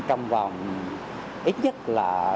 trong vòng ít nhất là